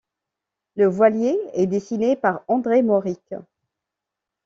Le voilier est dessiné par André Mauric.